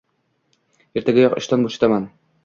Ertagayoq ishdan bo'shataman